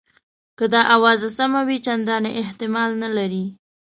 که دا آوازه سمه وي چنداني احتمال نه لري.